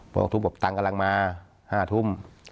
พอทุบบอกตังค์กำลังมา๕ทุ่ม